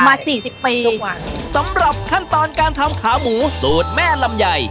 มา๔๐ปีจริงสำหรับขั้นตอนการทำขาหมูสูตรแม่ลำใด